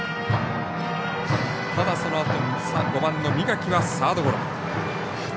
ただ、そのあと５番の三垣はサードゴロ。